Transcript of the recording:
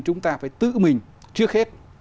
chúng ta phải tự mình trước hết